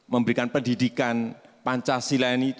memberikan pendidikan pancasila ini